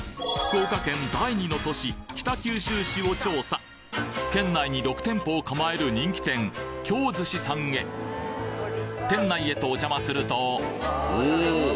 福岡県第２の都市北九州市を調査県内に６店舗を構える人気店京寿司さんへ店内へとお邪魔するとおお！